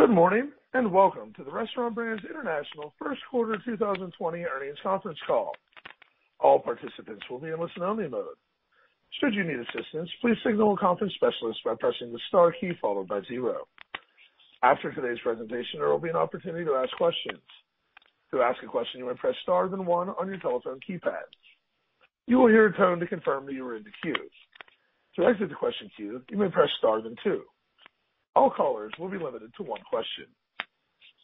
Good morning, and welcome to the Restaurant Brands International first quarter 2020 earnings conference call. All participants will be in listen only mode. Should you need assistance, please signal a conference specialist by pressing the star key followed by zero. After today's presentation, there will be an opportunity to ask questions. To ask a question, you may press star then one on your telephone keypad. You will hear a tone to confirm that you are in the queue. To exit the question queue, you may press star then two. All callers will be limited to one question.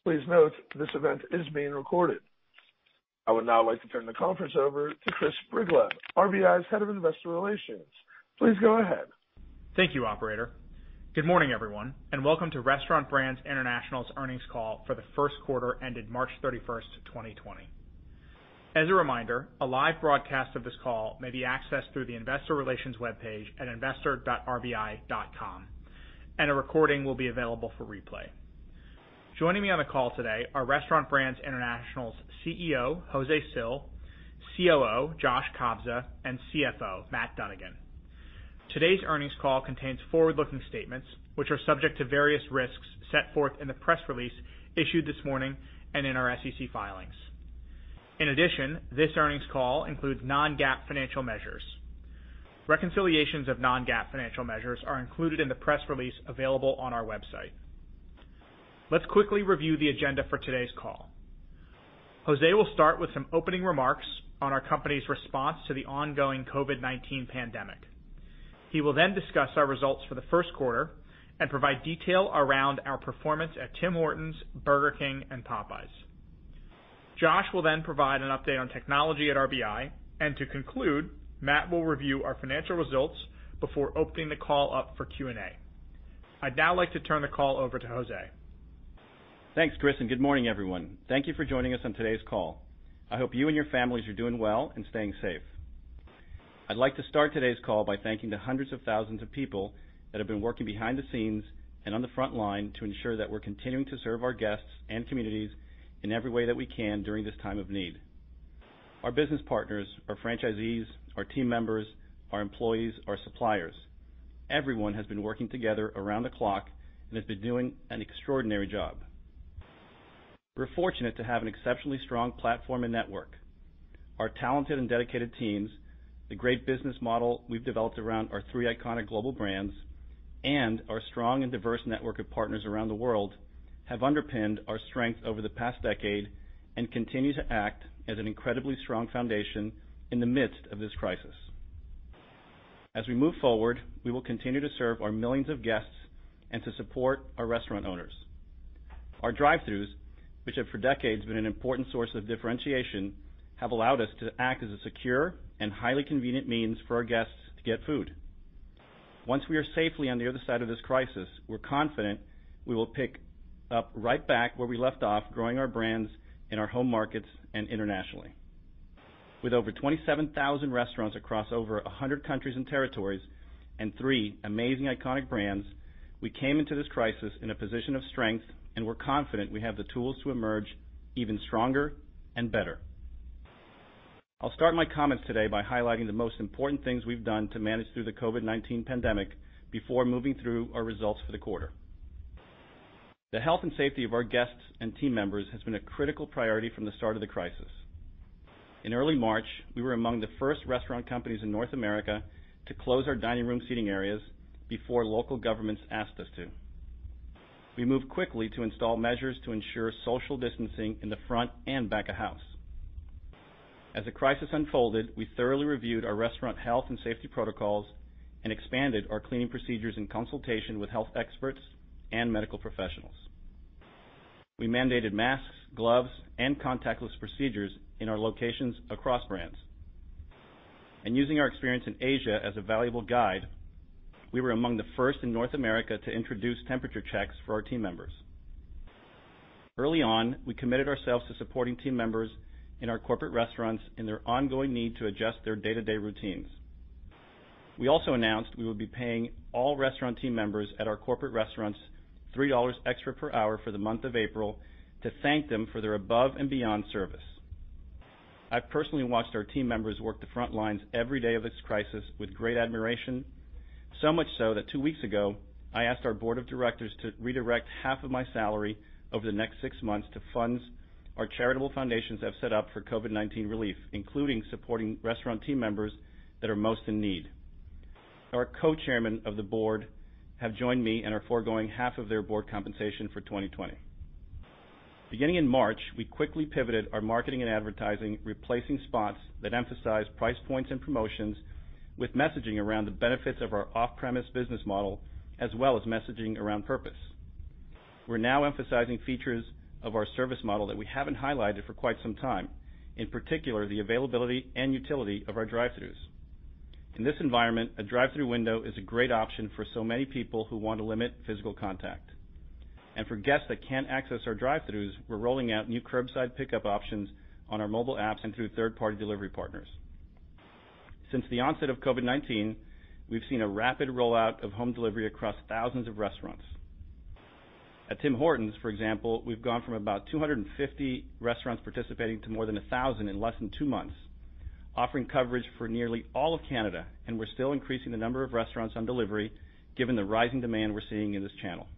Please note this event is being recorded. I would now like to turn the conference over to Chris Brigleb, RBI's Head of Investor Relations. Please go ahead. Thank you, operator. Good morning, everyone, and welcome to Restaurant Brands International's earnings call for the first quarter ended March 31st, 2020. As a reminder, a live broadcast of this call may be accessed through the Investor Relations webpage at investor.rbi.com, and a recording will be available for replay. Joining me on the call today are Restaurant Brands International's CEO, José Cil, COO, Josh Kobza, and CFO, Matt Dunnigan. Today's earnings call contains forward-looking statements, which are subject to various risks set forth in the press release issued this morning and in our SEC filings. In addition, this earnings call includes non-GAAP financial measures. Reconciliations of non-GAAP financial measures are included in the press release available on our website. Let's quickly review the agenda for today's call. José will start with some opening remarks on our company's response to the ongoing COVID-19 pandemic. He will then discuss our results for the first quarter and provide detail around our performance at Tim Hortons, Burger King, and Popeyes. Josh will then provide an update on technology at RBI. To conclude, Matt will review our financial results before opening the call up for Q&A. I'd now like to turn the call over to José. Thanks, Chris. Good morning, everyone. Thank you for joining us on today's call. I hope you and your families are doing well and staying safe. I'd like to start today's call by thanking the hundreds of thousands of people that have been working behind the scenes and on the front line to ensure that we're continuing to serve our guests and communities in every way that we can during this time of need. Our business partners, our franchisees, our team members, our employees, our suppliers. Everyone has been working together around the clock and has been doing an extraordinary job. We're fortunate to have an exceptionally strong platform and network. Our talented and dedicated teams, the great business model we've developed around our three iconic global brands, and our strong and diverse network of partners around the world have underpinned our strength over the past decade and continue to act as an incredibly strong foundation in the midst of this crisis. As we move forward, we will continue to serve our millions of guests and to support our restaurant owners. Our drive-thrus, which have for decades been an important source of differentiation, have allowed us to act as a secure and highly convenient means for our guests to get food. Once we are safely on the other side of this crisis, we're confident we will pick up right back where we left off, growing our brands in our home markets and internationally. With over 27,000 restaurants across over 100 countries and territories and three amazing iconic brands, we came into this crisis in a position of strength, and we're confident we have the tools to emerge even stronger and better. I'll start my comments today by highlighting the most important things we've done to manage through the COVID-19 pandemic before moving through our results for the quarter. The health and safety of our guests and team members has been a critical priority from the start of the crisis. In early March, we were among the first restaurant companies in North America to close our dining room seating areas before local governments asked us to. We moved quickly to install measures to ensure social distancing in the front and back of house. As the crisis unfolded, we thoroughly reviewed our restaurant health and safety protocols and expanded our cleaning procedures in consultation with health experts and medical professionals. We mandated masks, gloves, and contactless procedures in our locations across brands. Using our experience in Asia as a valuable guide, we were among the first in North America to introduce temperature checks for our team members. Early on, we committed ourselves to supporting team members in our corporate restaurants in their ongoing need to adjust their day-to-day routines. We also announced we would be paying all restaurant team members at our corporate restaurants $3 extra per hour for the month of April to thank them for their above and beyond service. I personally watched our team members work the front lines every day of this crisis with great admiration. Much so that two weeks ago, I asked our board of directors to redirect half of my salary over the next six months to funds our charitable foundations have set up for COVID-19 relief, including supporting restaurant team members that are most in need. Our Co-Chairman of the Board have joined me and are foregoing half of their board compensation for 2020. Beginning in March, we quickly pivoted our marketing and advertising, replacing spots that emphasize price points and promotions with messaging around the benefits of our off-premise business model, as well as messaging around purpose. We're now emphasizing features of our service model that we haven't highlighted for quite some time, in particular, the availability and utility of our drive-thrus. In this environment, a drive-thru window is a great option for so many people who want to limit physical contact. For guests that can't access our drive-thrus, we're rolling out new curbside pickup options on our mobile apps and through third-party delivery partners. Since the onset of COVID-19, we've seen a rapid rollout of home delivery across thousands of restaurants. At Tim Hortons, for example, we've gone from about 250 restaurants participating to more than 1,000 in less than two months, offering coverage for nearly all of Canada, and we're still increasing the number of restaurants on delivery given the rising demand we're seeing in this channel.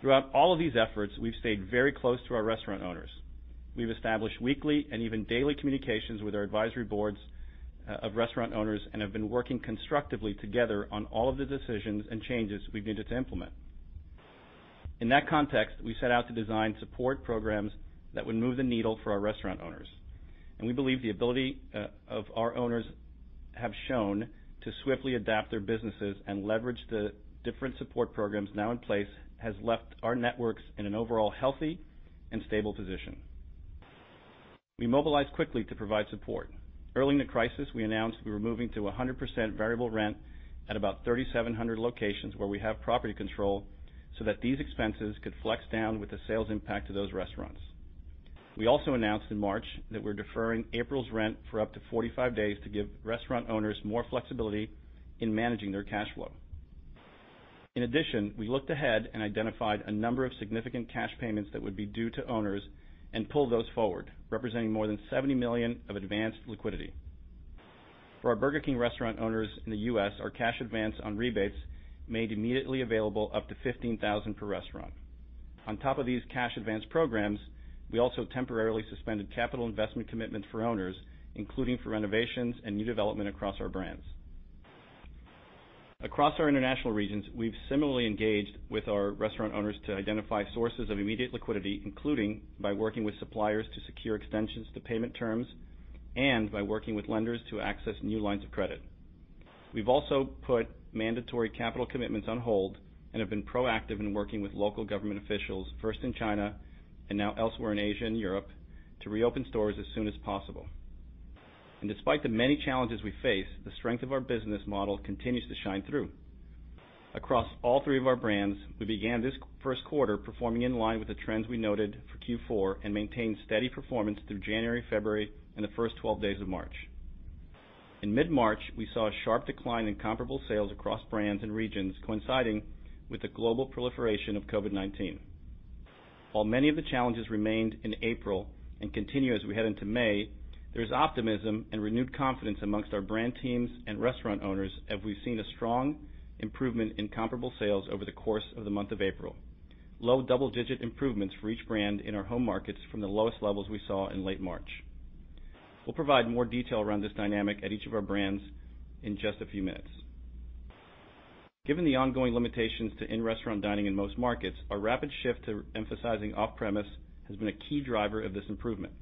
Throughout all of these efforts, we've stayed very close to our restaurant owners. We've established weekly and even daily communications with our advisory boards of restaurant owners and have been working constructively together on all of the decisions and changes we've needed to implement. In that context, we set out to design support programs that would move the needle for our restaurant owners. We believe the ability of our owners have shown to swiftly adapt their businesses and leverage the different support programs now in place has left our networks in an overall healthy and stable position. We mobilized quickly to provide support. Early in the crisis, we announced we were moving to 100% variable rent at about 3,700 locations where we have property control so that these expenses could flex down with the sales impact to those restaurants. We also announced in March that we're deferring April's rent for up to 45 days to give restaurant owners more flexibility in managing their cash flow. We looked ahead and identified a number of significant cash payments that would be due to owners and pulled those forward, representing more than $70 million of advanced liquidity. For our Burger King restaurant owners in the U.S., our cash advance on rebates made immediately available up to $15,000 per restaurant. On top of these cash advance programs, we also temporarily suspended capital investment commitments for owners, including for renovations and new development across our brands. Across our international regions, we've similarly engaged with our restaurant owners to identify sources of immediate liquidity, including by working with suppliers to secure extensions to payment terms and by working with lenders to access new lines of credit. We've also put mandatory capital commitments on hold and have been proactive in working with local government officials, first in China and now elsewhere in Asia and Europe, to reopen stores as soon as possible. Despite the many challenges we face, the strength of our business model continues to shine through. Across all three of our brands, we began this first quarter performing in line with the trends we noted for Q4 and maintained steady performance through January, February, and the first 12 days of March. In mid-March, we saw a sharp decline in comparable sales across brands and regions coinciding with the global proliferation of COVID-19. While many of the challenges remained in April and continue as we head into May, there's optimism and renewed confidence amongst our brand teams and restaurant owners as we've seen a strong improvement in comparable sales over the course of the month of April. Low double-digit improvements for each brand in our home markets from the lowest levels we saw in late March. We'll provide more detail around this dynamic at each of our brands in just a few minutes. Given the ongoing limitations to in-restaurant dining in most markets, our rapid shift to emphasizing off-premise has been a key driver of this improvement.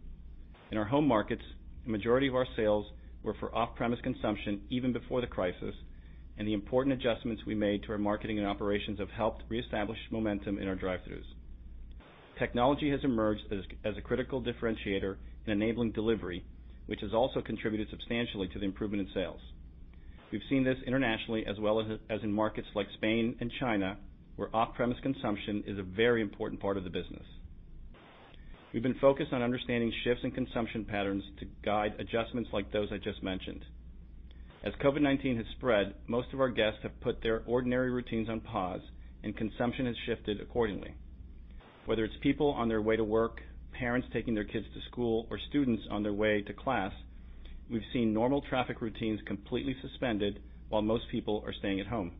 In our home markets, the majority of our sales were for off-premise consumption even before the crisis, and the important adjustments we made to our marketing and operations have helped reestablish momentum in our drive-thrus. Technology has emerged as a critical differentiator in enabling delivery, which has also contributed substantially to the improvement in sales. We've seen this internationally as well as in markets like Spain and China, where off-premise consumption is a very important part of the business. We've been focused on understanding shifts in consumption patterns to guide adjustments like those I just mentioned. As COVID-19 has spread, most of our guests have put their ordinary routines on pause and consumption has shifted accordingly. Whether it's people on their way to work, parents taking their kids to school, or students on their way to class, we've seen normal traffic routines completely suspended while most people are staying at home.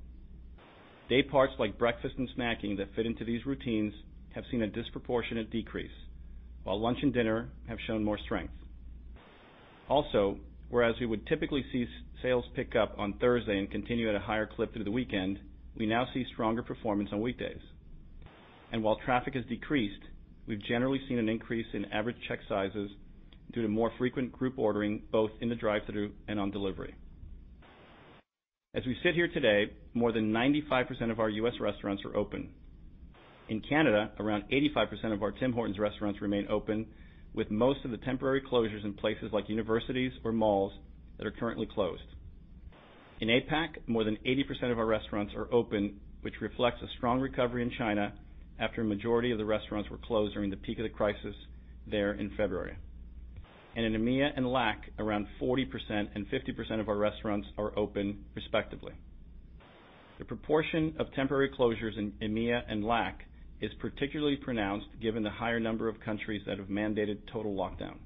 Day parts like breakfast and snacking that fit into these routines have seen a disproportionate decrease, while lunch and dinner have shown more strength. Also, whereas we would typically see sales pick up on Thursday and continue at a higher clip through the weekend, we now see stronger performance on weekdays. While traffic has decreased, we've generally seen an increase in average check sizes due to more frequent group ordering, both in the drive-thru and on delivery. As we sit here today, more than 95% of our U.S. restaurants are open. In Canada, around 85% of our Tim Hortons restaurants remain open, with most of the temporary closures in places like universities or malls that are currently closed. In APAC, more than 80% of our restaurants are open, which reflects a strong recovery in China after a majority of the restaurants were closed during the peak of the crisis there in February. In EMEA and LAC, around 40% and 50% of our restaurants are open, respectively. The proportion of temporary closures in EMEA and LAC is particularly pronounced given the higher number of countries that have mandated total lockdown.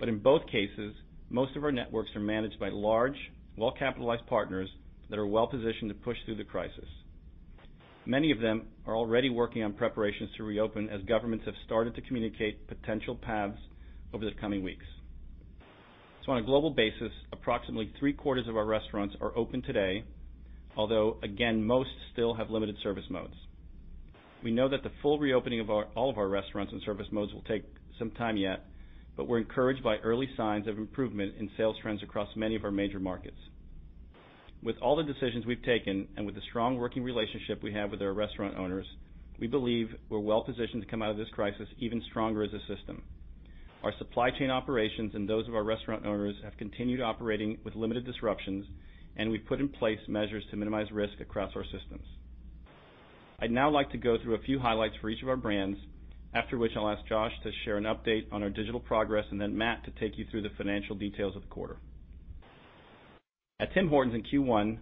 In both cases, most of our networks are managed by large, well-capitalized partners that are well positioned to push through the crisis. Many of them are already working on preparations to reopen as governments have started to communicate potential paths over the coming weeks. On a global basis, approximately three-quarters of our restaurants are open today, although, again, most still have limited service modes. We know that the full reopening of all of our restaurants and service modes will take some time yet, but we're encouraged by early signs of improvement in sales trends across many of our major markets. With all the decisions we've taken and with the strong working relationship we have with our restaurant owners, we believe we're well positioned to come out of this crisis even stronger as a system. Our supply chain operations and those of our restaurant owners have continued operating with limited disruptions, and we've put in place measures to minimize risk across our systems. I'd now like to go through a few highlights for each of our brands, after which I'll ask Josh to share an update on our digital progress and then Matt to take you through the financial details of the quarter. At Tim Hortons in Q1,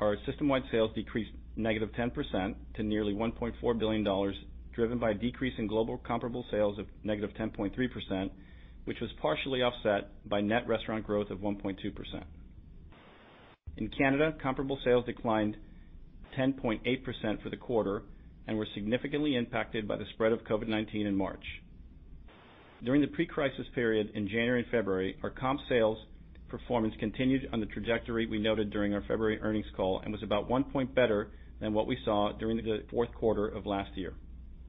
our system-wide sales decreased -10% to nearly CAD 1.4 billion, driven by a decrease in global comparable sales of -10.3%, which was partially offset by net restaurant growth of 1.2%. In Canada, comparable sales declined 10.8% for the quarter and were significantly impacted by the spread of COVID-19 in March. During the pre-crisis period in January and February, our comp sales performance continued on the trajectory we noted during our February earnings call and was about one point better than what we saw during the fourth quarter of last year.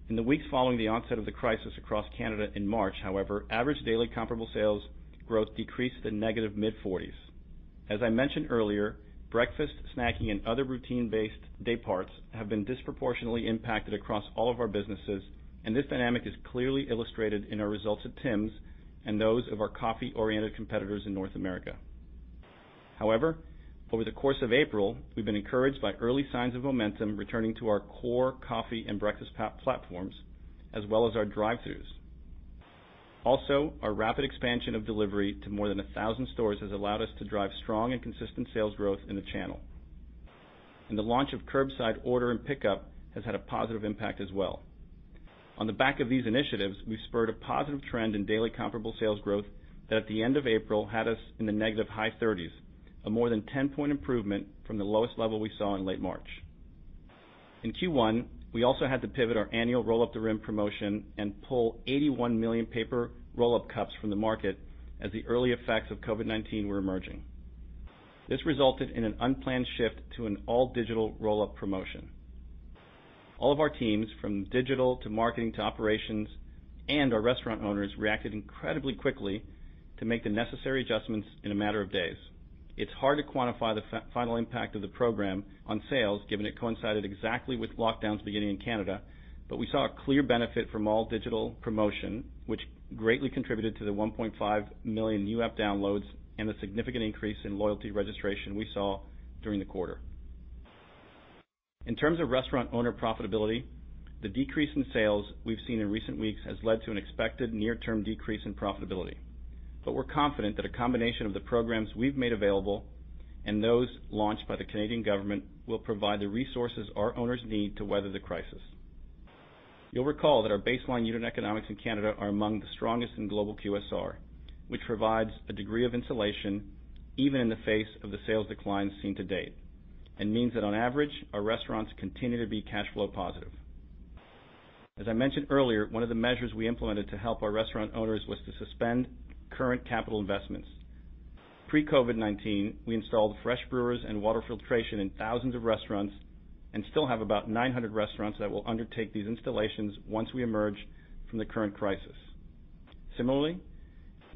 In the weeks following the onset of the crisis across Canada in March, however, average daily comparable sales growth decreased to negative mid-40s. As I mentioned earlier, breakfast, snacking, and other routine-based day parts have been disproportionately impacted across all of our businesses, and this dynamic is clearly illustrated in our results at Tims and those of our coffee-oriented competitors in North America. However, over the course of April, we've been encouraged by early signs of momentum returning to our core coffee and breakfast platforms as well as our drive-thrus Our rapid expansion of delivery to more than 1,000 stores has allowed us to drive strong and consistent sales growth in the channel. The launch of curbside order and pickup has had a positive impact as well. On the back of these initiatives, we've spurred a positive trend in daily comparable sales growth that at the end of April had us in the negative high 30%, a more than 10-point improvement from the lowest level we saw in late March. In Q1, we also had to pivot our annual Roll Up the Rim promotion and pull 81 million paper roll-up cups from the market as the early effects of COVID-19 were emerging. This resulted in an unplanned shift to an all-digital roll-up promotion. All of our teams, from digital to marketing to operations and our restaurant owners, reacted incredibly quickly to make the necessary adjustments in a matter of days. It's hard to quantify the final impact of the program on sales, given it coincided exactly with lockdowns beginning in Canada, but we saw a clear benefit from all-digital promotion, which greatly contributed to the 1.5 million new app downloads and the significant increase in loyalty registration we saw during the quarter. In terms of restaurant owner profitability, the decrease in sales we've seen in recent weeks has led to an expected near-term decrease in profitability. We're confident that a combination of the programs we've made available and those launched by the Canadian government will provide the resources our owners need to weather the crisis. You'll recall that our baseline unit economics in Canada are among the strongest in global QSR, which provides a degree of insulation, even in the face of the sales declines seen to date, and means that on average, our restaurants continue to be cash flow positive. As I mentioned earlier, one of the measures we implemented to help our restaurant owners was to suspend current capital investments. Pre-COVID-19, we installed fresh brewers and water filtration in thousands of restaurants and still have about 900 restaurants that will undertake these installations once we emerge from the current crisis. Similarly,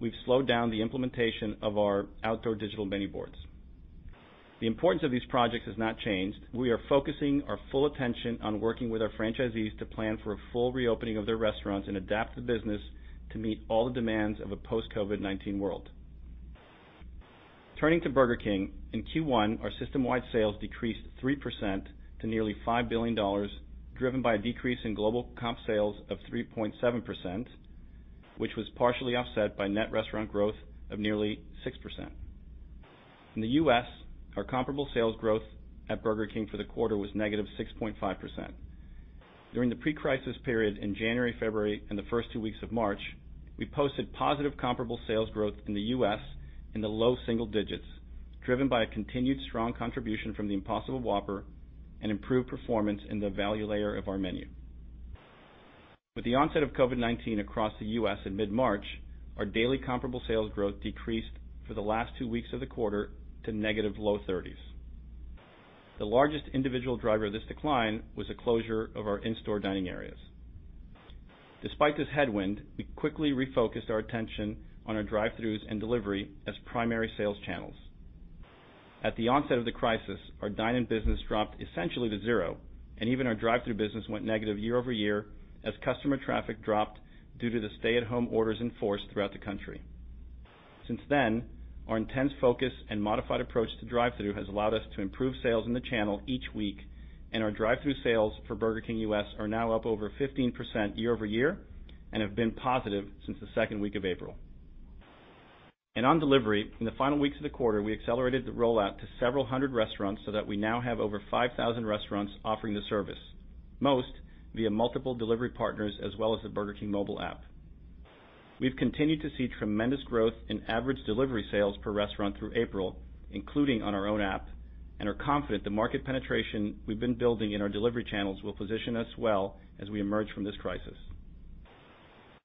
we've slowed down the implementation of our outdoor digital menu boards. The importance of these projects has not changed. We are focusing our full attention on working with our franchisees to plan for a full reopening of their restaurants and adapt the business to meet all the demands of a post-COVID-19 world. Turning to Burger King, in Q1, our system-wide sales decreased 3% to nearly 5 billion dollars, driven by a decrease in global comp sales of 3.7%, which was partially offset by net restaurant growth of nearly 6%. In the U.S., our comparable sales growth at Burger King for the quarter was -6.5%. During the pre-crisis period in January, February, and the first two weeks of March, we posted positive comparable sales growth in the U.S. in the low single digits, driven by a continued strong contribution from the Impossible Whopper and improved performance in the value layer of our menu. With the onset of COVID-19 across the U.S. in mid-March, our daily comparable sales growth decreased for the last two weeks of the quarter to negative low 30s. The largest individual driver of this decline was the closure of our in-store dining areas. Despite this headwind, we quickly refocused our attention on our drive-thrus and delivery as primary sales channels. At the onset of the crisis, our dine-in business dropped essentially to zero. Even our drive-thru business went negative year-over-year as customer traffic dropped due to the stay-at-home orders enforced throughout the country. Since then, our intense focus and modified approach to drive-thru has allowed us to improve sales in the channel each week. Our drive-thru sales for Burger King US are now up over 15% year-over-year and have been positive since the second week of April. On delivery, in the final weeks of the quarter, we accelerated the rollout to several hundred restaurants so that we now have over 5,000 restaurants offering the service, most via multiple delivery partners as well as the Burger King mobile app. We've continued to see tremendous growth in average delivery sales per restaurant through April, including on our own app, and are confident the market penetration we've been building in our delivery channels will position us well as we emerge from this crisis.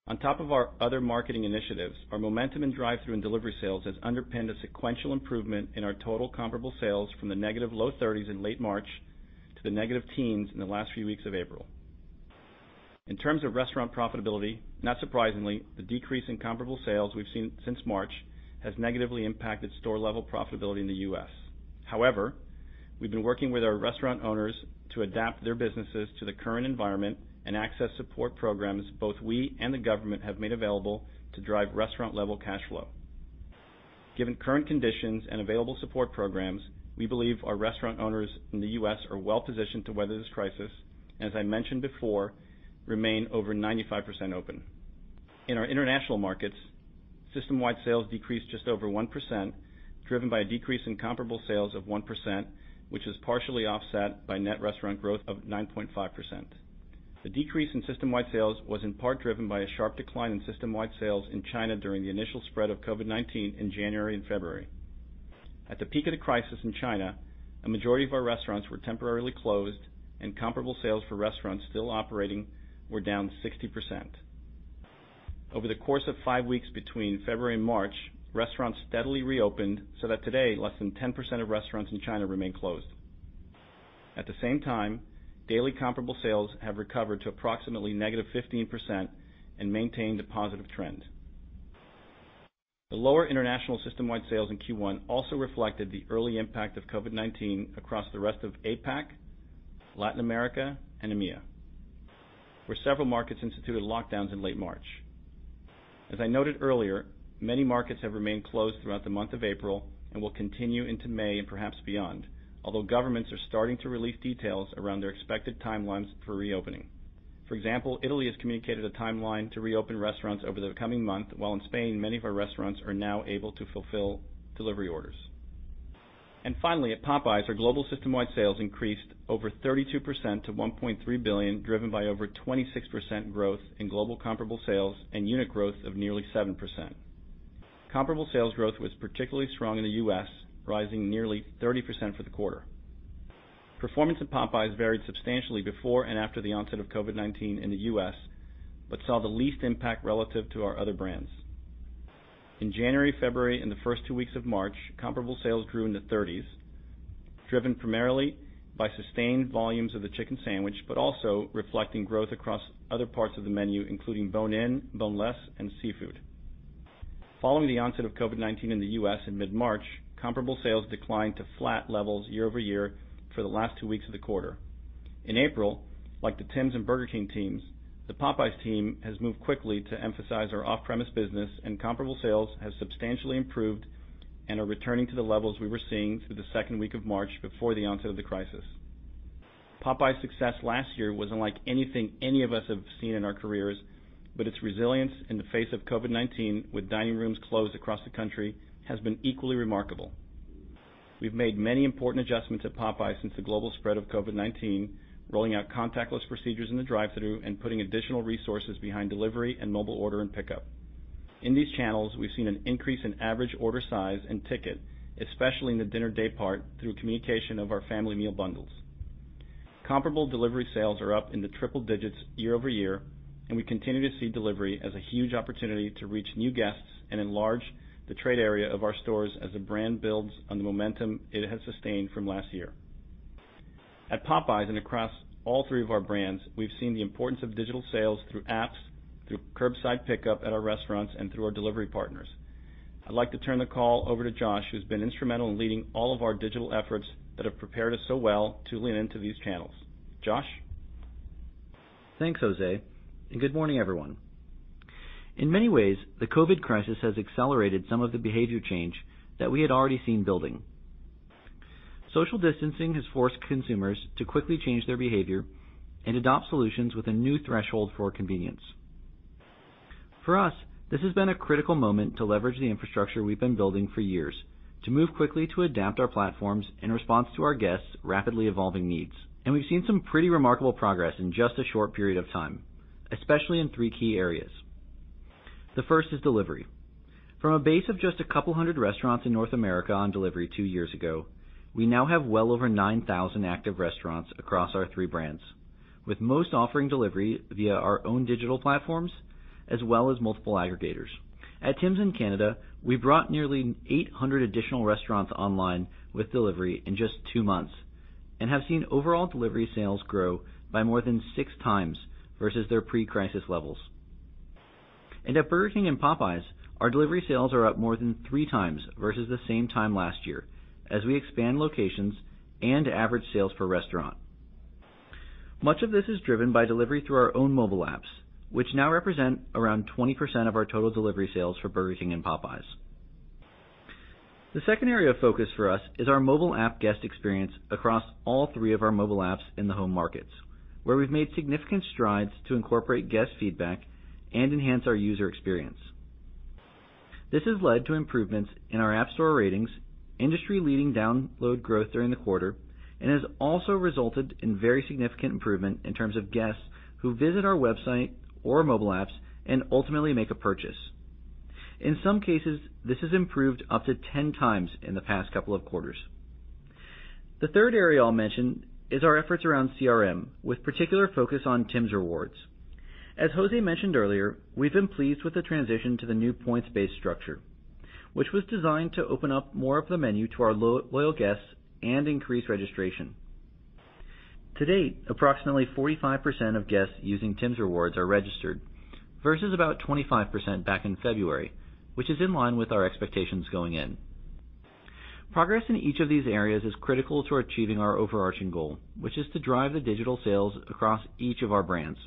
On top of our other marketing initiatives, our momentum in drive-thru and delivery sales has underpinned a sequential improvement in our total comparable sales from the negative low 30s in late March to the negative teens in the last few weeks of April. In terms of restaurant profitability, not surprisingly, the decrease in comparable sales we've seen since March has negatively impacted store-level profitability in the U.S. However, we've been working with our restaurant owners to adapt their businesses to the current environment and access support programs both we and the government have made available to drive restaurant-level cash flow. Given current conditions and available support programs, we believe our restaurant owners in the U.S. are well positioned to weather this crisis and, as I mentioned before, remain over 95% open. In our international markets, system-wide sales decreased just over 1%, driven by a decrease in comparable sales of 1%, which was partially offset by net restaurant growth of 9.5%. The decrease in system-wide sales was in part driven by a sharp decline in system-wide sales in China during the initial spread of COVID-19 in January and February. At the peak of the crisis in China, a majority of our restaurants were temporarily closed and comparable sales for restaurants still operating were down 60%. Over the course of five weeks between February and March, restaurants steadily reopened so that today less than 10% of restaurants in China remain closed. At the same time, daily comparable sales have recovered to approximately -15% and maintained a positive trend. The lower international system-wide sales in Q1 also reflected the early impact of COVID-19 across the rest of APAC, Latin America and EMEA, where several markets instituted lockdowns in late March. As I noted earlier, many markets have remained closed throughout the month of April and will continue into May and perhaps beyond, although governments are starting to release details around their expected timelines for reopening. For example, Italy has communicated a timeline to reopen restaurants over the coming month, while in Spain many of our restaurants are now able to fulfill delivery orders. Finally, at Popeyes, our global system-wide sales increased 32% to $1.3 billion, driven by 26% growth in global comparable sales and unit growth of 7%. Comparable sales growth was particularly strong in the U.S., rising nearly 30% for the quarter. Performance at Popeyes varied substantially before and after the onset of COVID-19 in the U.S., but saw the least impact relative to our other brands. In January, February and the first two weeks of March, comparable sales grew in the 30s, driven primarily by sustained volumes of the chicken sandwich, but also reflecting growth across other parts of the menu, including bone-in, boneless and seafood. Following the onset of COVID-19 in the U.S. in mid-March, comparable sales declined to flat levels year-over-year for the last two weeks of the quarter. In April, like the Tim's and Burger King teams, the Popeyes team has moved quickly to emphasize our off-premise business and comparable sales have substantially improved and are returning to the levels we were seeing through the second week of March before the onset of the crisis. Popeyes' success last year wasn't like anything any of us have seen in our careers, but its resilience in the face of COVID-19 with dining rooms closed across the country has been equally remarkable. We've made many important adjustments at Popeyes since the global spread of COVID-19, rolling out contactless procedures in the drive-thru and putting additional resources behind delivery and mobile order and pickup. In these channels, we've seen an increase in average order size and ticket, especially in the dinner day part, through communication of our family meal bundles. Comparable delivery sales are up in the triple digits year-over-year, We continue to see delivery as a huge opportunity to reach new guests and enlarge the trade area of our stores as the brand builds on the momentum it has sustained from last year. At Popeyes and across all three of our brands, we've seen the importance of digital sales through apps, through curbside pickup at our restaurants, and through our delivery partners. I'd like to turn the call over to Josh, who's been instrumental in leading all of our digital efforts that have prepared us so well to lean into these channels. Josh? Thanks, José, and good morning, everyone. In many ways, the COVID crisis has accelerated some of the behavior change that we had already seen building. Social distancing has forced consumers to quickly change their behavior and adopt solutions with a new threshold for convenience. For us, this has been a critical moment to leverage the infrastructure we've been building for years to move quickly to adapt our platforms in response to our guests' rapidly evolving needs. We've seen some pretty remarkable progress in just a short period of time, especially in three key areas. The first is delivery. From a base of just a couple hundred restaurants in North America on delivery two years ago, we now have well over 9,000 active restaurants across our three brands, with most offering delivery via our own digital platforms, as well as multiple aggregators. At Tims in Canada, we brought nearly 800 additional restaurants online with delivery in just two months and have seen overall delivery sales grow by more than 6x versus their pre-crisis levels. At Burger King and Popeyes, our delivery sales are up more than 3x versus the same time last year as we expand locations and average sales per restaurant. Much of this is driven by delivery through our own mobile apps, which now represent around 20% of our total delivery sales for Burger King and Popeyes. The second area of focus for us is our mobile app guest experience across all three of our mobile apps in the home markets, where we've made significant strides to incorporate guest feedback and enhance our user experience. This has led to improvements in our app store ratings, industry-leading download growth during the quarter, and has also resulted in very significant improvement in terms of guests who visit our website or mobile apps and ultimately make a purchase. In some cases, this has improved up to 10x in the past couple of quarters. The third area I'll mention is our efforts around CRM, with particular focus on Tims Rewards. As José mentioned earlier, we've been pleased with the transition to the new points-based structure, which was designed to open up more of the menu to our loyal guests and increase registration. To date, approximately 45% of guests using Tims Rewards are registered, versus about 25% back in February, which is in line with our expectations going in. Progress in each of these areas is critical to achieving our overarching goal, which is to drive the digital sales across each of our brands.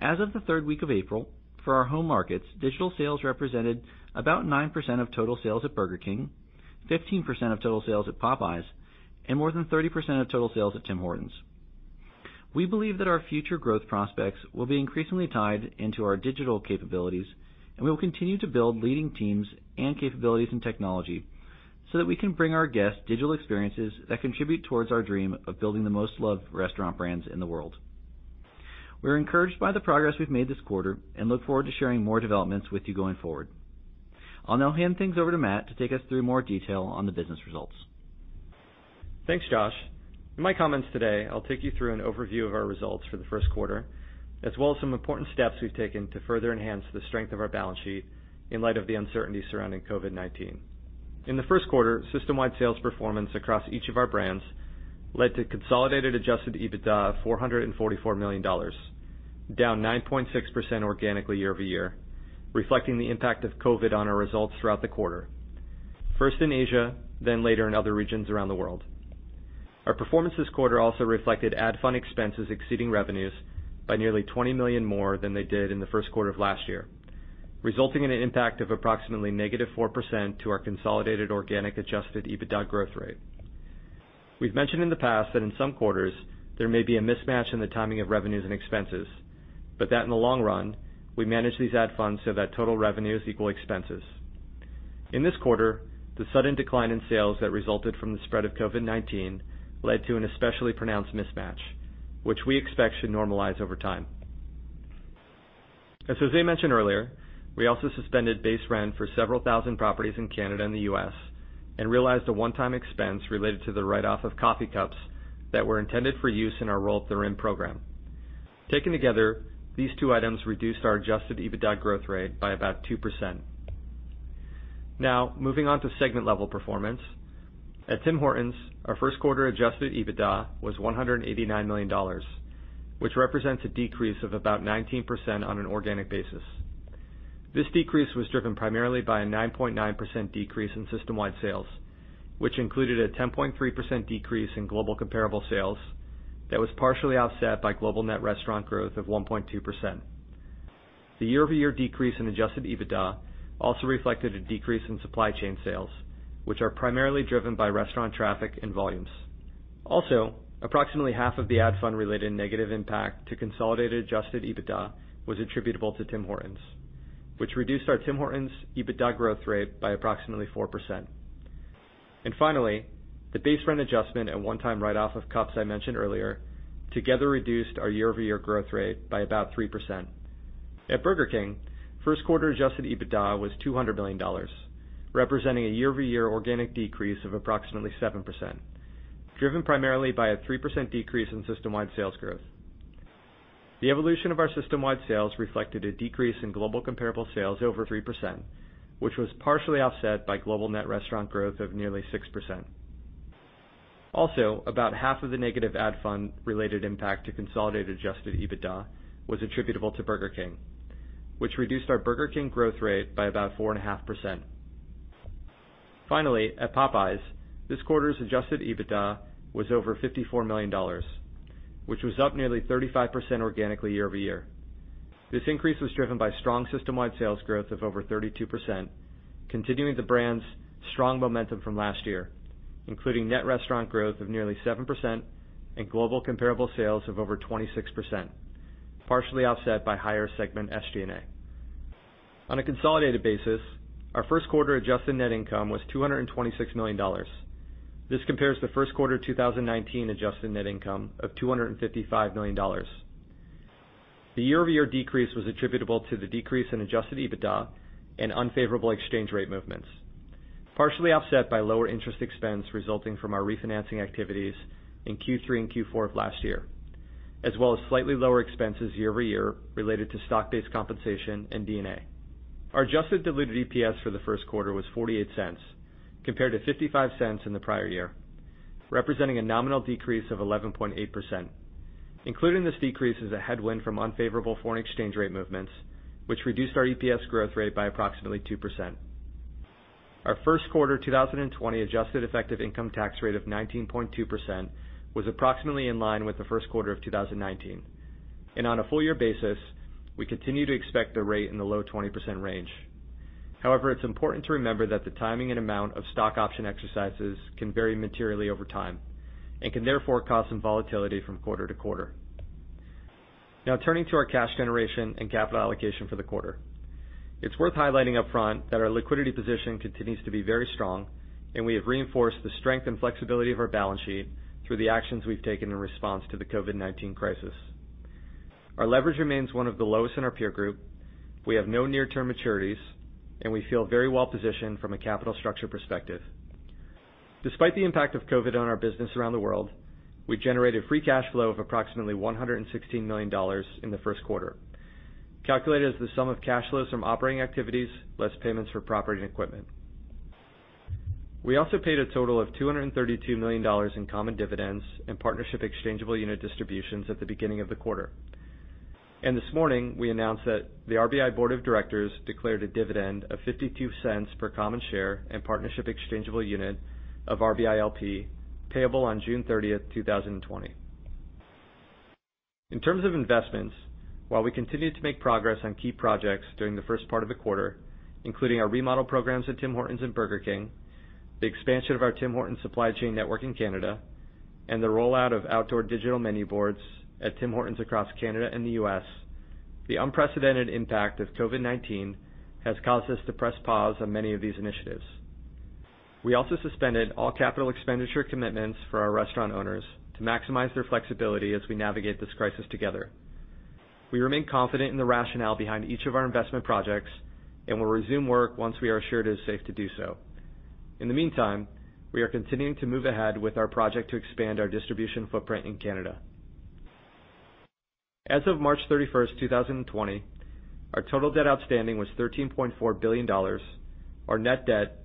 As of the third week of April, for our home markets, digital sales represented about 9% of total sales at Burger King, 15% of total sales at Popeyes, and more than 30% of total sales at Tim Hortons. We believe that our future growth prospects will be increasingly tied into our digital capabilities, and we will continue to build leading teams and capabilities in technology so that we can bring our guests digital experiences that contribute towards our dream of building the most loved restaurant brands in the world. We're encouraged by the progress we've made this quarter and look forward to sharing more developments with you going forward. I'll now hand things over to Matt to take us through more detail on the business results. Thanks, Josh. In my comments today, I'll take you through an overview of our results for the first quarter, as well as some important steps we've taken to further enhance the strength of our balance sheet in light of the uncertainty surrounding COVID-19. In the first quarter, system-wide sales performance across each of our brands led to consolidated adjusted EBITDA of $444 million, down 9.6% organically year-over-year, reflecting the impact of COVID on our results throughout the quarter, first in Asia, then later in other regions around the world. Our performance this quarter also reflected ad fund expenses exceeding revenues by nearly $20 million more than they did in the first quarter of last year, resulting in an impact of approximately -4% to our consolidated organic adjusted EBITDA growth rate. We've mentioned in the past that in some quarters, there may be a mismatch in the timing of revenues and expenses, but that in the long run, we manage these ad funds so that total revenues equal expenses. In this quarter, the sudden decline in sales that resulted from the spread of COVID-19 led to an especially pronounced mismatch, which we expect should normalize over time. As José mentioned earlier, we also suspended base rent for several thousand properties in Canada and the U.S. and realized a one-time expense related to the write-off of coffee cups that were intended for use in our Roll Up the Rim program. Taken together, these two items reduced our adjusted EBITDA growth rate by about 2%. Now, moving on to segment level performance. At Tim Hortons, our first quarter adjusted EBITDA was $189 million, which represents a decrease of about 19% on an organic basis. This decrease was driven primarily by a 9.9% decrease in system-wide sales, which included a 10.3% decrease in global comparable sales that was partially offset by global net restaurant growth of 1.2%. The year-over-year decrease in adjusted EBITDA also reflected a decrease in supply chain sales, which are primarily driven by restaurant traffic and volumes. Approximately half of the ad fund related negative impact to consolidated adjusted EBITDA was attributable to Tim Hortons, which reduced our Tim Hortons EBITDA growth rate by approximately 4%. Finally, the base rent adjustment and one time write-off of cups I mentioned earlier together reduced our year-over-year growth rate by about 3%. At Burger King, first quarter adjusted EBITDA was $200 million, representing a year-over-year organic decrease of approximately 7%, driven primarily by a 3% decrease in system-wide sales growth. The evolution of our system-wide sales reflected a decrease in global comparable sales over 3%, which was partially offset by global net restaurant growth of nearly 6%. Also, about half of the negative ad fund related impact to consolidated adjusted EBITDA was attributable to Burger King, which reduced our Burger King growth rate by about 4.5%. Finally, at Popeyes, this quarter's adjusted EBITDA was over $54 million, which was up nearly 35% organically year-over-year. This increase was driven by strong system-wide sales growth of over 32%, continuing the brand's strong momentum from last year, including net restaurant growth of nearly 7% and global comparable sales of over 26%, partially offset by higher segment SG&A. On a consolidated basis, our first quarter adjusted net income was $226 million. This compares the first quarter 2019 adjusted net income of $255 million. The year-over-year decrease was attributable to the decrease in adjusted EBITDA and unfavorable exchange rate movements, partially offset by lower interest expense resulting from our refinancing activities in Q3 and Q4 of last year, as well as slightly lower expenses year-over-year related to stock-based compensation and D&A. Our adjusted diluted EPS for the first quarter was $0.48 compared to $0.55 in the prior year, representing a nominal decrease of 11.8%. Including this decrease is a headwind from unfavorable foreign exchange rate movements, which reduced our EPS growth rate by approximately 2%. Our first quarter 2020 adjusted effective income tax rate of 19.2% was approximately in line with the first quarter of 2019. On a full year basis, we continue to expect the rate in the low 20% range. However, it's important to remember that the timing and amount of stock option exercises can vary materially over time and can therefore cause some volatility from quarter to quarter. Now turning to our cash generation and capital allocation for the quarter. It's worth highlighting up front that our liquidity position continues to be very strong, and we have reinforced the strength and flexibility of our balance sheet through the actions we've taken in response to the COVID-19 crisis. Our leverage remains one of the lowest in our peer group. We have no near-term maturities, and we feel very well positioned from a capital structure perspective. Despite the impact of COVID on our business around the world, we've generated free cash flow of approximately $116 million in the first quarter, calculated as the sum of cash flows from operating activities less payments for property and equipment. We also paid a total of $232 million in common dividends and partnership exchangeable unit distributions at the beginning of the quarter. This morning, we announced that the RBI Board of Directors declared a dividend of $0.52 per common share and partnership exchangeable unit of RBILP, payable on June 30th, 2020. In terms of investments, while we continued to make progress on key projects during the first part of the quarter, including our remodel programs at Tim Hortons and Burger King, the expansion of our Tim Hortons supply chain network in Canada, and the rollout of outdoor digital menu boards at Tim Hortons across Canada and the U.S., the unprecedented impact of COVID-19 has caused us to press pause on many of these initiatives. We also suspended all capital expenditure commitments for our restaurant owners to maximize their flexibility as we navigate this crisis together. We remain confident in the rationale behind each of our investment projects and will resume work once we are assured it is safe to do so. In the meantime, we are continuing to move ahead with our project to expand our distribution footprint in Canada. As of March 31st, 2020, our total debt outstanding was $13.4 billion. Our net debt,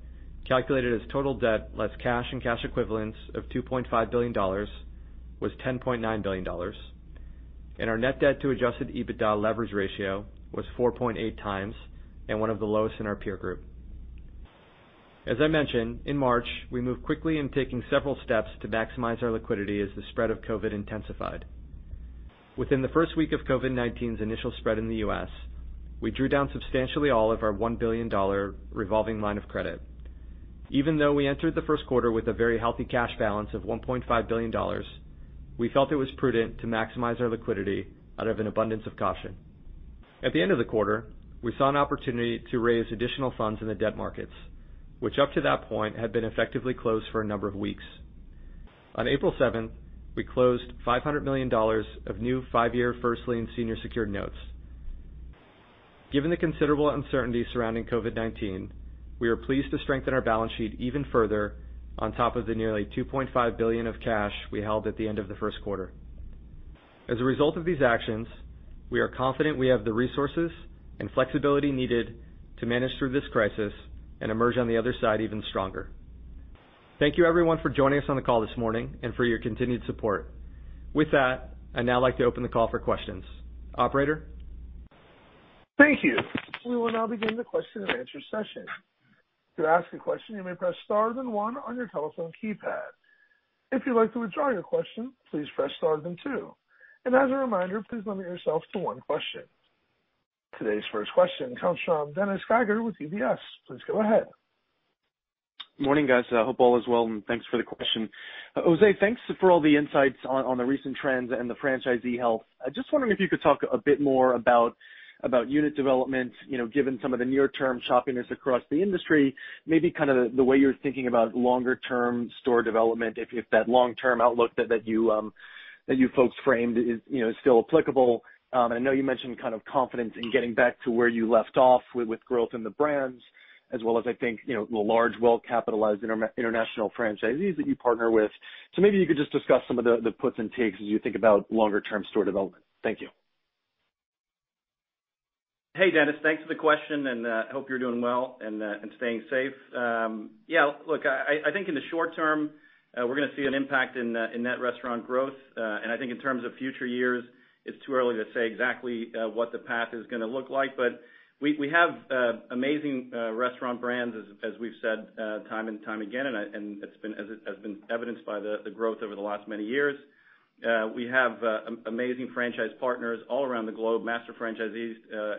calculated as total debt less cash and cash equivalents of $2.5 billion, was $10.9 billion. Our net debt to adjusted EBITDA leverage ratio was 4.8x and one of the lowest in our peer group. As I mentioned, in March, we moved quickly in taking several steps to maximize our liquidity as the spread of COVID-19 intensified. Within the first week of COVID-19's initial spread in the U.S., we drew down substantially all of our $1 billion revolving line of credit. Even though we entered the first quarter with a very healthy cash balance of $1.5 billion, we felt it was prudent to maximize our liquidity out of an abundance of caution. At the end of the quarter, we saw an opportunity to raise additional funds in the debt markets, which up to that point had been effectively closed for a number of weeks. On April 7th, we closed $500 million of new five-year First Lien Senior Secured Notes. Given the considerable uncertainty surrounding COVID-19, we are pleased to strengthen our balance sheet even further on top of the nearly $2.5 billion of cash we held at the end of the first quarter. As a result of these actions, we are confident we have the resources and flexibility needed to manage through this crisis and emerge on the other side even stronger. Thank you, everyone, for joining us on the call this morning and for your continued support. With that, I'd now like to open the call for questions. Operator? Thank you. We will now begin the question-and-answer session. To ask a question, you may press star then one on your telephone keypad. If you'd like to withdraw your question, please press star then two. As a reminder, please limit yourself to one question. Today's first question comes from Dennis Geiger with UBS. Please go ahead. Morning, guys. Hope all is well. Thanks for the question. José, thanks for all the insights on the recent trends and the franchisee health. I'm just wondering if you could talk a bit more about unit development, given some of the near-term choppiness across the industry, maybe kind of the way you're thinking about longer-term store development, if that long-term outlook that you folks framed is still applicable. I know you mentioned kind of confidence in getting back to where you left off with growth in the brands, as well as I think the large, well-capitalized international franchisees that you partner with. Maybe you could just discuss some of the puts and takes as you think about longer-term store development. Thank you. Hey, Dennis. Thanks for the question, and hope you're doing well and staying safe. Yeah, look, I think in the short term, we're going to see an impact in net restaurant growth. I think in terms of future years, it's too early to say exactly what the path is going to look like. We have amazing restaurant brands, as we've said time and time again, and as has been evidenced by the growth over the last many years. We have amazing franchise partners all around the globe, master franchisees,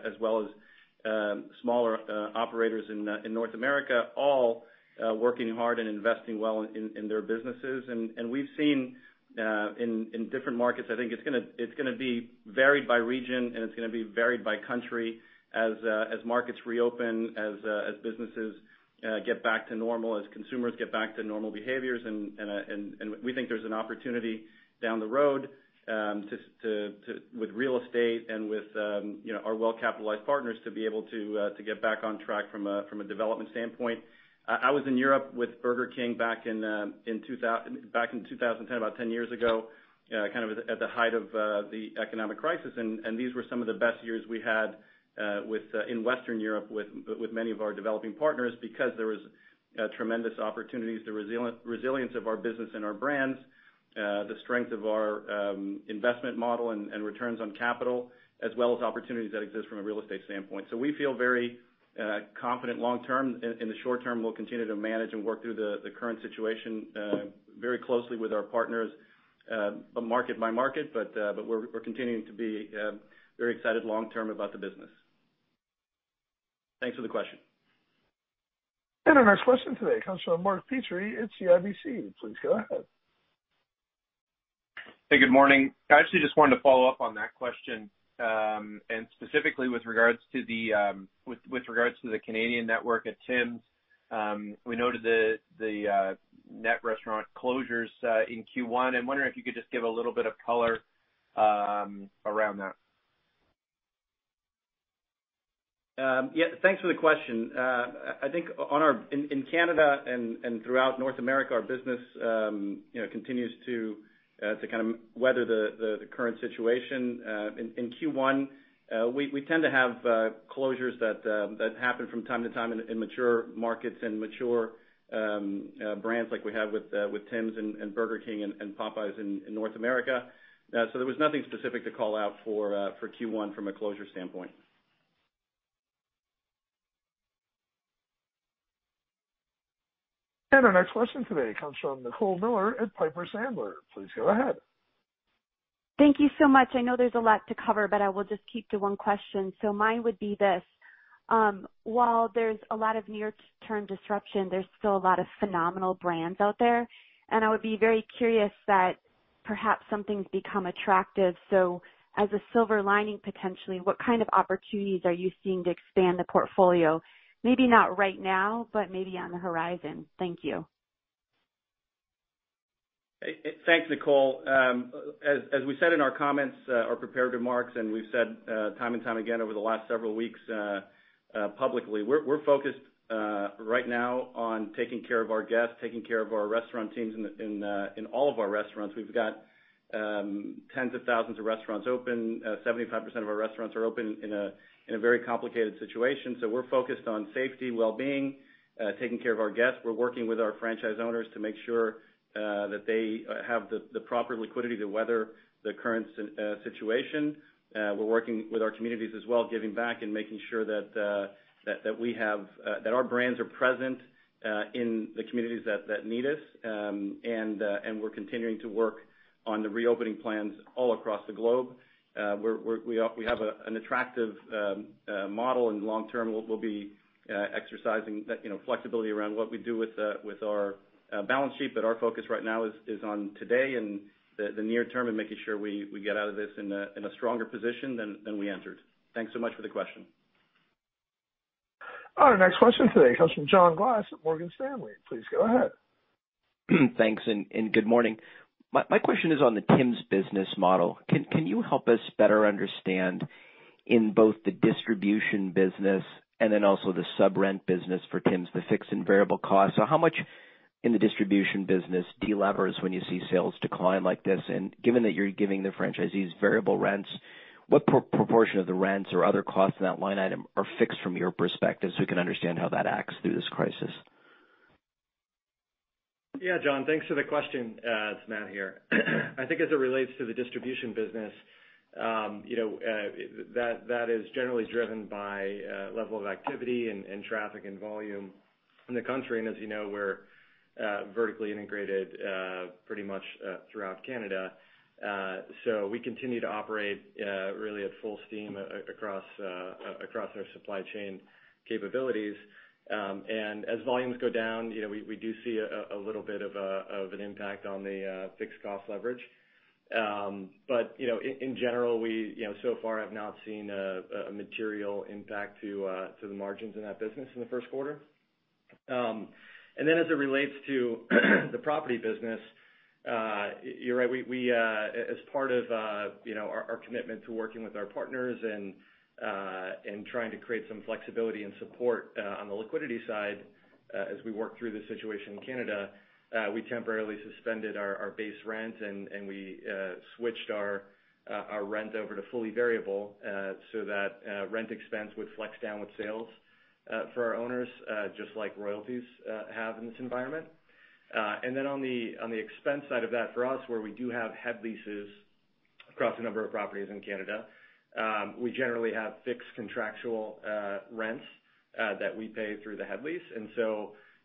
as well as smaller operators in North America, all working hard and investing well in their businesses. We've seen in different markets, I think it's going to be varied by region, and it's going to be varied by country as markets reopen, as businesses get back to normal, as consumers get back to normal behaviors. We think there's an opportunity down the road with real estate and with our well-capitalized partners to be able to get back on track from a development standpoint. I was in Europe with Burger King back in 2010, about 10 years ago, kind of at the height of the economic crisis, and these were some of the best years we had in Western Europe with many of our developing partners because there was tremendous opportunities, the resilience of our business and our brands, the strength of our investment model and returns on capital, as well as opportunities that exist from a real estate standpoint. We feel very confident long term. In the short term, we'll continue to manage and work through the current situation very closely with our partners, market by market, but we're continuing to be very excited long term about the business. Thanks for the question. Our next question today comes from Mark Petrie at CIBC. Please go ahead. Hey, good morning. I actually just wanted to follow up on that question, and specifically with regards to the Canadian network at Tims. We noted the net restaurant closures in Q1. I'm wondering if you could just give a little bit of color around that? Yeah. Thanks for the question. I think in Canada and throughout North America, our business continues to kind of weather the current situation. In Q1, we tend to have closures that happen from time to time in mature markets and mature brands, like we have with Tims and Burger King and Popeyes in North America. There was nothing specific to call out for Q1 from a closure standpoint. Our next question today comes from Nicole Miller at Piper Sandler. Please go ahead. Thank you so much. I know there's a lot to cover, but I will just keep to one question. Mine would be this. While there's a lot of near-term disruption, there's still a lot of phenomenal brands out there, and I would be very curious that perhaps something's become attractive. As a silver lining, potentially, what kind of opportunities are you seeing to expand the portfolio? Maybe not right now, but maybe on the horizon. Thank you. Thanks, Nicole. As we said in our comments, our prepared remarks, and we've said time and time again over the last several weeks publicly, we're focused right now on taking care of our guests, taking care of our restaurant teams in all of our restaurants. We've got tens of thousands of restaurants open. 75% of our restaurants are open in a very complicated situation. We're focused on safety, wellbeing, taking care of our guests. We're working with our franchise owners to make sure that they have the proper liquidity to weather the current situation. We're working with our communities as well, giving back and making sure that our brands are present in the communities that need us. We're continuing to work on the reopening plans all across the globe. We have an attractive model, and long term, we'll be exercising that flexibility around what we do with our balance sheet. Our focus right now is on today and the near term and making sure we get out of this in a stronger position than we entered. Thanks so much for the question. Our next question today comes from John Glass at Morgan Stanley. Please go ahead. Thanks and good morning. My question is on the Tim's business model. Can you help us better understand in both the distribution business and then also the sub-rent business for Tim's, the fixed and variable costs? How much in the distribution business de-levers when you see sales decline like this? Given that you're giving the franchisees variable rents, what proportion of the rents or other costs in that line item are fixed from your perspective, so we can understand how that acts through this crisis? Yeah, John, thanks for the question. It's Matt here. I think as it relates to the distribution business, that is generally driven by level of activity and traffic and volume in the country. As you know, we're vertically integrated pretty much throughout Canada. We continue to operate really at full steam across our supply chain capabilities. As volumes go down, we do see a little bit of an impact on the fixed cost leverage. In general, so far I've not seen a material impact to the margins in that business in the first quarter. As it relates to the property business, you're right. As part of our commitment to working with our partners and trying to create some flexibility and support on the liquidity side as we work through this situation in Canada, we temporarily suspended our base rent, and we switched our rent over to fully variable, so that rent expense would flex down with sales for our owners, just like royalties have in this environment. On the expense side of that for us, where we do have head leases across a number of properties in Canada, we generally have fixed contractual rents that we pay through the head lease.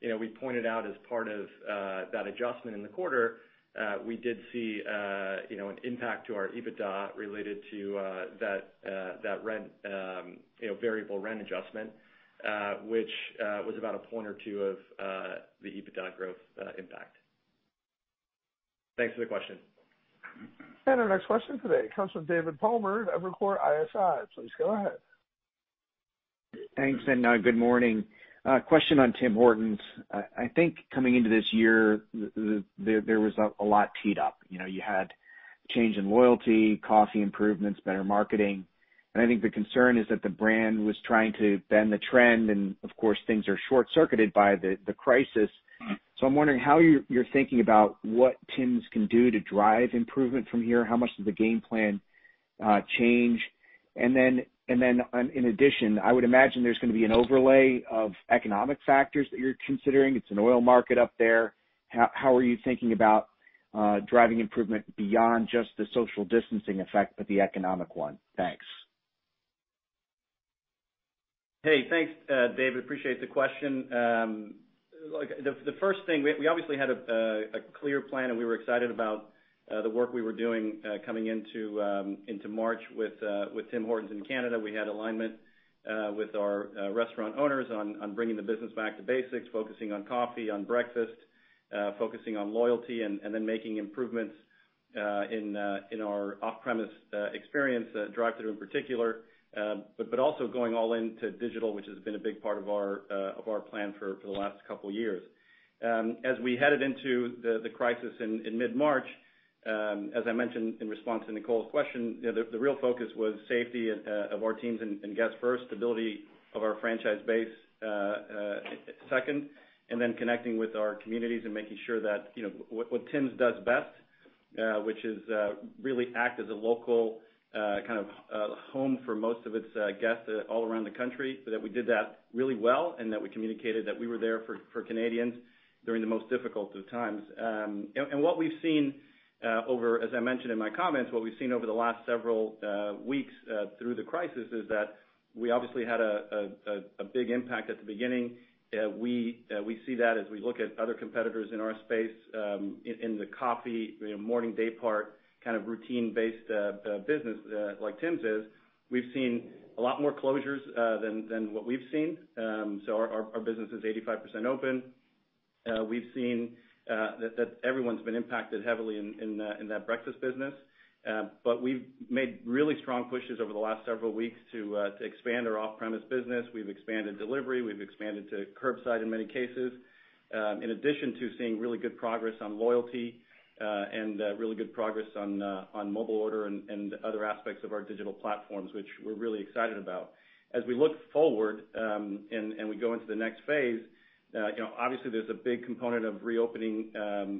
We pointed out as part of that adjustment in the quarter, we did see an impact to our EBITDA related to that variable rent adjustment, which was about a point or two of the EBITDA growth impact. Thanks for the question. Our next question today comes from David Palmer at Evercore ISI. Please go ahead. Thanks, and good morning. A question on Tim Hortons. I think coming into this year, there was a lot teed up. You had change in loyalty, coffee improvements, better marketing, and I think the concern is that the brand was trying to bend the trend, and of course, things are short-circuited by the crisis. I'm wondering how you're thinking about what Tim's can do to drive improvement from here. How much does the game plan change? In addition, I would imagine there's going to be an overlay of economic factors that you're considering. It's an oil market up there. How are you thinking about driving improvement beyond just the social distancing effect, but the economic one? Thanks. Hey, thanks, David. Appreciate the question. The first thing, we obviously had a clear plan, and we were excited about the work we were doing coming into March with Tim Hortons in Canada. We had alignment with our restaurant owners on bringing the business back to basics, focusing on coffee, on breakfast, focusing on loyalty, and then making improvements in our off-premise experience, drive-thru in particular, but also going all into digital, which has been a big part of our plan for the last couple of years. As we headed into the crisis in mid-March, as I mentioned in response to Nicole's question, the real focus was safety of our teams and guests first, stability of our franchise base second, and then connecting with our communities and making sure that what Tim's does best, which is really act as a local kind of home for most of its guests all around the country, that we did that really well, and that we communicated that we were there for Canadians during the most difficult of times. What we've seen over the last several weeks through the crisis is that we obviously had a big impact at the beginning. We see that as we look at other competitors in our space, in the coffee, morning day part, kind of routine-based business like Tim's is. We've seen a lot more closures than what we've seen. Our business is 85% open. We've seen that everyone's been impacted heavily in that breakfast business. We've made really strong pushes over the last several weeks to expand our off-premise business. We've expanded delivery. We've expanded to curbside in many cases, in addition to seeing really good progress on loyalty and really good progress on mobile order and other aspects of our digital platforms, which we're really excited about. As we look forward, and we go into the next phase, obviously there's a big component of reopening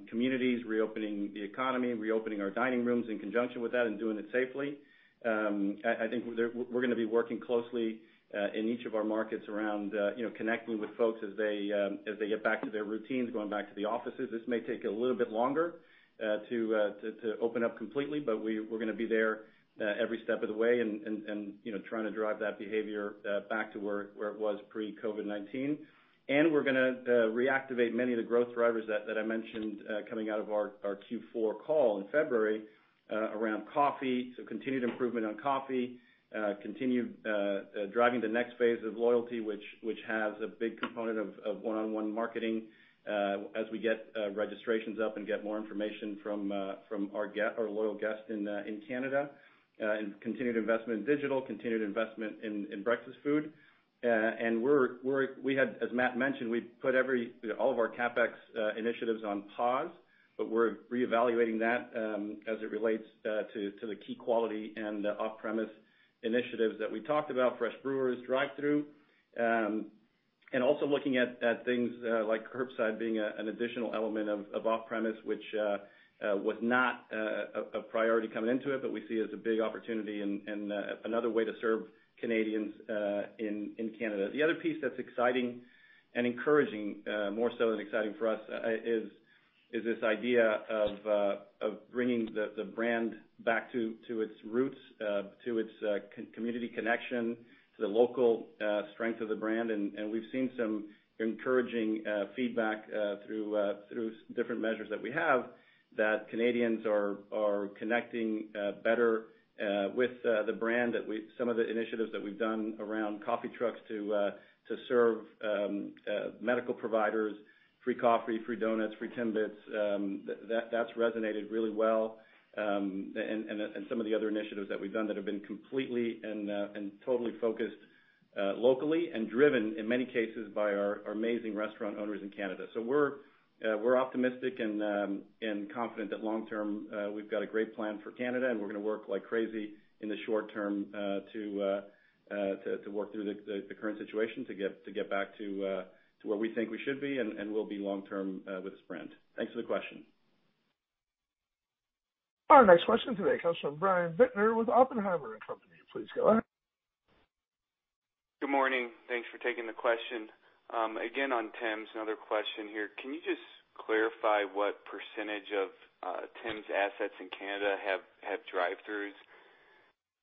communities, reopening the economy, reopening our dining rooms in conjunction with that, and doing it safely. I think we're going to be working closely in each of our markets around connecting with folks as they get back to their routines, going back to the offices. This may take a little bit longer to open up completely, but we're going to be there every step of the way and trying to drive that behavior back to where it was pre-COVID-19. We're going to reactivate many of the growth drivers that I mentioned coming out of our Q4 call in February around coffee. Continued improvement on coffee, continued driving the next phase of loyalty, which has a big component of one-on-one marketing as we get registrations up and get more information from our loyal guests in Canada, and continued investment in digital, continued investment in breakfast food. As Matt mentioned, we put all of our CapEx initiatives on pause, we're reevaluating that as it relates to the key quality and off-premise initiatives that we talked about, fresh brewers, drive-thru, and also looking at things like curbside being an additional element of off-premise, which was not a priority coming into it, but we see as a big opportunity and another way to serve Canadians in Canada. The other piece that's exciting and encouraging more so than exciting for us is this idea of bringing the brand back to its roots, to its community connection, to the local strength of the brand. We've seen some encouraging feedback through different measures that we have that Canadians are connecting better with the brand that some of the initiatives that we've done around coffee trucks to serve medical providers, free coffee, free donuts, free Timbits, that's resonated really well. Some of the other initiatives that we've done that have been completely and totally focused locally and driven, in many cases, by our amazing restaurant owners in Canada. We're optimistic and confident that long term we've got a great plan for Canada, and we're going to work like crazy in the short term to work through the current situation to get back to where we think we should be and will be long term with this brand. Thanks for the question. Our next question today comes from Brian Bittner with Oppenheimer & Co. Please go ahead. Good morning. Thanks for taking the question. On Tims, another question here. Can you just clarify what percentage of Tims assets in Canada have drive-thrus?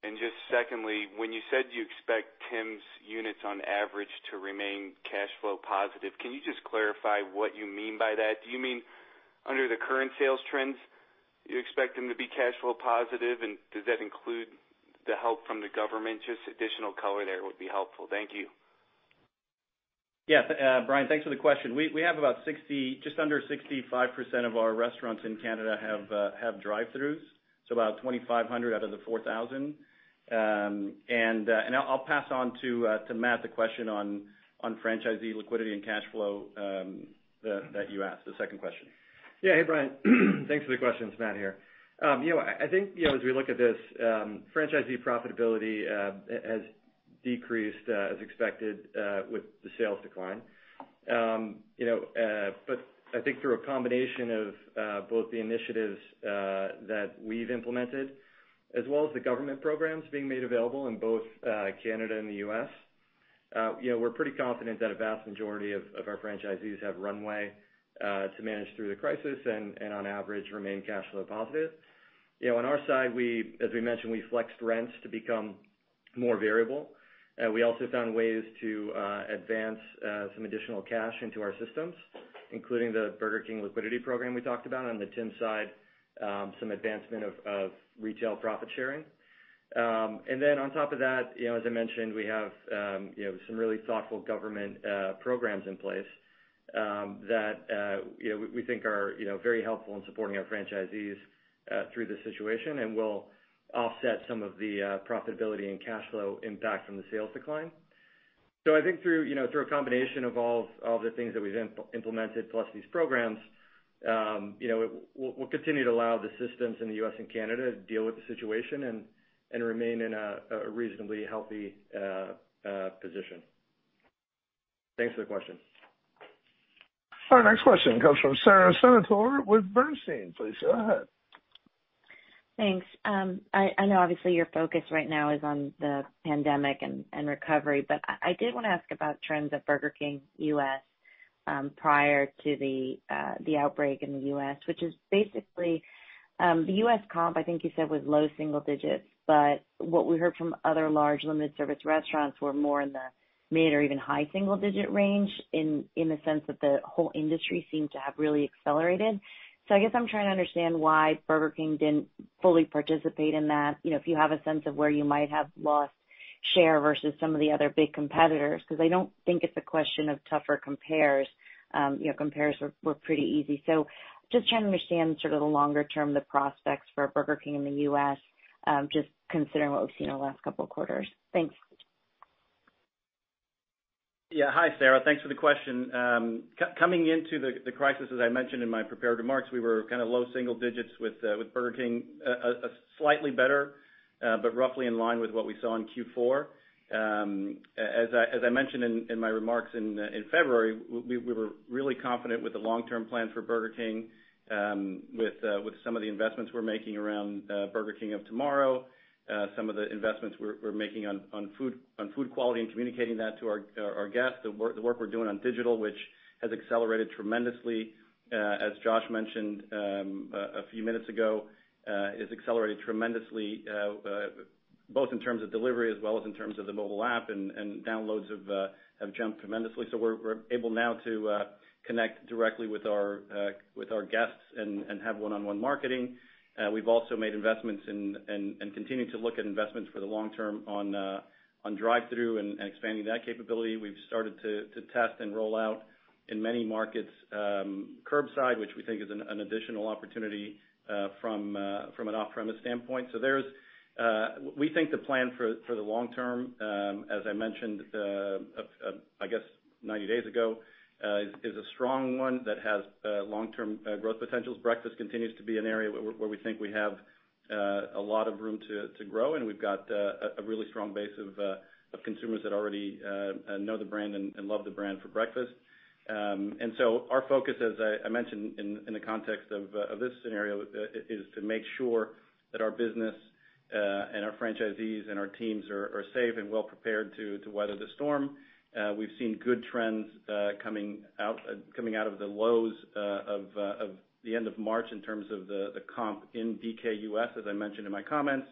Just secondly, when you said you expect Tims units on average to remain cash flow positive, can you just clarify what you mean by that? Do you mean under the current sales trends, you expect them to be cash flow positive, and does that include the help from the government? Just additional color there would be helpful. Thank you. Yes. Brian, thanks for the question. We have about just under 65% of our restaurants in Canada have drive-thrus, so about 2,500 out of the 4,000. I'll pass on to Matt the question on franchisee liquidity and cash flow that you asked, the second question. Yeah. Hey, Brian. Thanks for the question. It's Matt here. I think as we look at this, franchisee profitability has decreased as expected with the sales decline. I think through a combination of both the initiatives that we've implemented as well as the government programs being made available in both Canada and the U.S., we're pretty confident that a vast majority of our franchisees have runway to manage through the crisis and on average remain cash flow positive. On our side, as we mentioned, we flexed rents to become more variable. We also found ways to advance some additional cash into our systems, including the Burger King liquidity program we talked about. On the Tim's side, some advancement of retail profit sharing. Then on top of that, as I mentioned, we have some really thoughtful government programs in place that we think are very helpful in supporting our franchisees through this situation and will offset some of the profitability and cash flow impact from the sales decline. I think through a combination of all of the things that we've implemented plus these programs, we'll continue to allow the systems in the U.S. and Canada to deal with the situation and remain in a reasonably healthy position. Thanks for the question. Our next question comes from Sara Senatore with Bernstein. Please go ahead. Thanks. I know obviously your focus right now is on the pandemic and recovery, but I did want to ask about trends at Burger King U.S. prior to the outbreak in the U.S., which is basically the U.S. comp, I think you said, was low single digits, but what we heard from other large limited service restaurants were more in the mid or even high single-digit range in the sense that the whole industry seemed to have really accelerated. I guess I'm trying to understand why Burger King didn't fully participate in that. If you have a sense of where you might have lost share versus some of the other big competitors. I don't think it's a question of tougher compares. Compares were pretty easy. Just trying to understand sort of the longer term, the prospects for Burger King in the U.S., just considering what we've seen in the last couple of quarters. Thanks. Hi, Sara. Thanks for the question. Coming into the crisis, as I mentioned in my prepared remarks, we were kind of low single digits with Burger King, slightly better, but roughly in line with what we saw in Q4. As I mentioned in my remarks in February, we were really confident with the long-term plans for Burger King, with some of the investments we're making around Burger King of tomorrow, some of the investments we're making on food quality and communicating that to our guests, the work we're doing on digital, which has accelerated tremendously, as Josh mentioned a few minutes ago. It's accelerated tremendously both in terms of delivery as well as in terms of the mobile app, downloads have jumped tremendously. We're able now to connect directly with our guests and have one-on-one marketing. We've also made investments and continue to look at investments for the long term on drive-thru and expanding that capability. We've started to test and roll out in many markets, curbside, which we think is an additional opportunity from an off-premise standpoint. We think the plan for the long term, as I mentioned, I guess 90 days ago, is a strong one that has long-term growth potentials. Breakfast continues to be an area where we think we have a lot of room to grow, and we've got a really strong base of consumers that already know the brand and love the brand for breakfast. Our focus, as I mentioned in the context of this scenario, is to make sure that our business and our franchisees and our teams are safe and well prepared to weather the storm. We've seen good trends coming out of the lows of the end of March in terms of the comp in BK U.S., as I mentioned in my comments.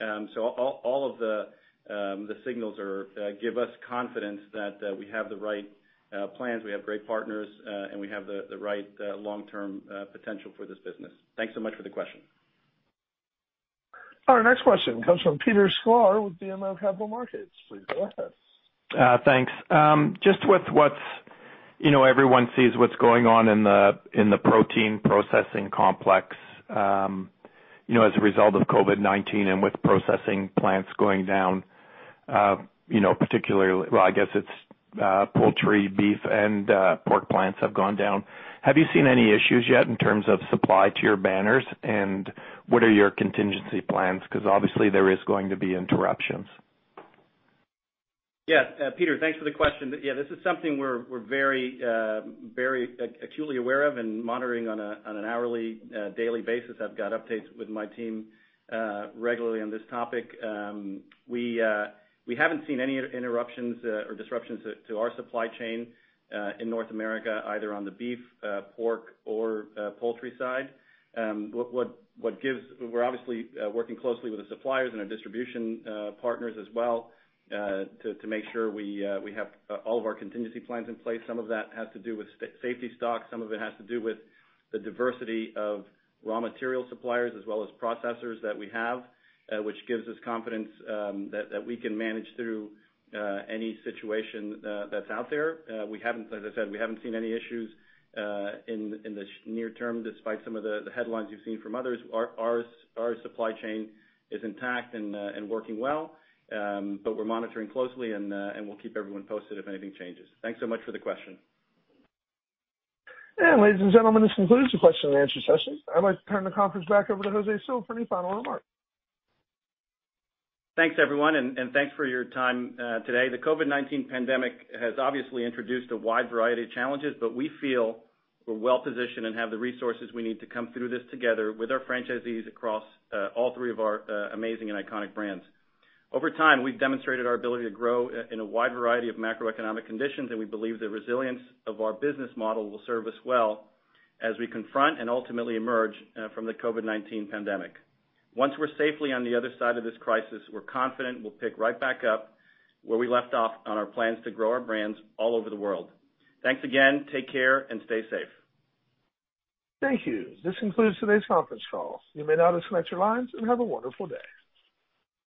All of the signals give us confidence that we have the right plans, we have great partners, and we have the right long-term potential for this business. Thanks so much for the question. Our next question comes from Peter Sklar with BMO Capital Markets. Please go ahead. Thanks. Everyone sees what is going on in the protein processing complex as a result of COVID-19 and with processing plants going down, particularly, well, I guess it is poultry, beef, and pork plants have gone down. Have you seen any issues yet in terms of supply to your banners? What are your contingency plans? Obviously, there is going to be interruptions. Yeah. Peter, thanks for the question. Yeah, this is something we're very acutely aware of and monitoring on an hourly, daily basis. I've got updates with my team regularly on this topic. We haven't seen any interruptions or disruptions to our supply chain in North America, either on the beef, pork, or poultry side. We're obviously working closely with the suppliers and our distribution partners as well to make sure we have all of our contingency plans in place. Some of that has to do with safety stock, some of it has to do with the diversity of raw material suppliers as well as processors that we have, which gives us confidence that we can manage through any situation that's out there. As I said, we haven't seen any issues in the near term, despite some of the headlines you've seen from others. Our supply chain is intact and working well, but we're monitoring closely, and we'll keep everyone posted if anything changes. Thanks so much for the question. Ladies and gentlemen, this concludes the question-and-answer session. I'd like to turn the conference back over to José Cil for any final remarks. Thanks, everyone, and thanks for your time today. The COVID-19 pandemic has obviously introduced a wide variety of challenges, but we feel we're well-positioned and have the resources we need to come through this together with our franchisees across all three of our amazing and iconic brands. Over time, we've demonstrated our ability to grow in a wide variety of macroeconomic conditions, and we believe the resilience of our business model will serve us well as we confront and ultimately emerge from the COVID-19 pandemic. Once we're safely on the other side of this crisis, we're confident we'll pick right back up where we left off on our plans to grow our brands all over the world. Thanks again. Take care and stay safe. Thank you. This concludes today's conference call. You may now disconnect your lines and have a wonderful day.